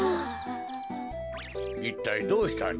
いったいどうしたんじゃ？